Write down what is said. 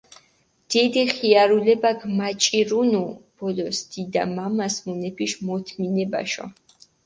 დიდი ხიარულებაქ მაჭირუნუ ბოლოს დიდა-მამასჷ მუნეფიში მოთმინებაშო.